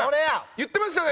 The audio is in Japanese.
言ってましたね。